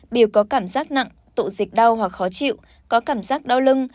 biểu có cảm giác nặng tụ dịch đau hoặc khó chịu có cảm giác đau lưng